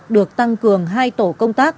được tăng cường hai tổ công tác